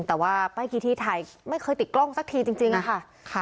แต่ว่าป้ายกี้ที่ถ่ายไม่เคยติดกล้องสักทีจริงอะค่ะ